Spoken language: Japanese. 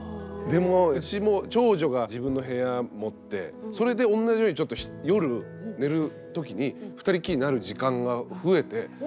でもうちも長女が自分の部屋持ってそれで同じようにちょっと夜寝る時に二人っきりになる時間が増えて。